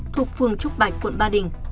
thuộc phường trúc bạch quận ba đình